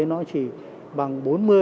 nó chỉ bằng bốn mươi năm mươi